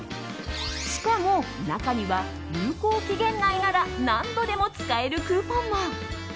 しかも中には有効期限内なら何度でも使えるクーポンも。